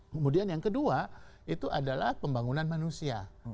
kemudian yang kedua itu adalah pembangunan manusia